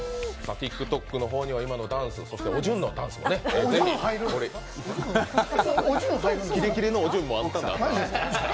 ＴｉｋＴｏｋの方には今のダンスそしておじゅんのダンスもね、ぜひキレキレのおじゅんも？